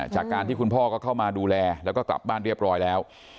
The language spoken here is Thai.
จากการที่คุณพ่อก็เข้ามาดูแลแล้วก็กลับบ้านเรียบร้อยแล้ว